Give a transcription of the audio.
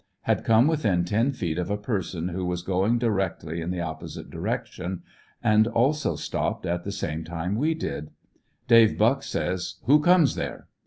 Had come within ten feet of a person who was going directly in the opposite direction and also stopped, at the same time we did Dave Buck says: ''Who comes there?"